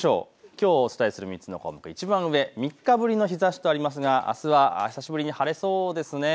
きょうお伝えする３つの項目、いちばん上、３日ぶりの日ざしということですがあすは久しぶりに晴れそうです。